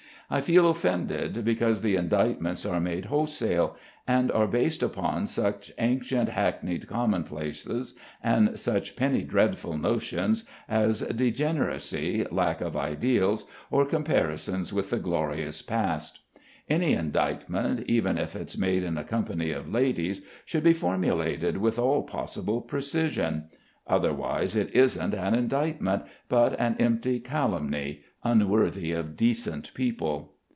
I feel offended because the indictments are made wholesale and are based upon such ancient hackneyed commonplaces and such penny dreadful notions as degeneracy, lack of ideals, or comparisons with the glorious past. Any indictment, even if it's made in a company of ladies, should be formulated with all possible precision; otherwise it isn't an indictment, but an empty calumny, unworthy of decent people.